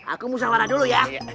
aku mau sahurah dulu ya